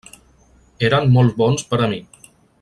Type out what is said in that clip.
Eren molt bons per a mi.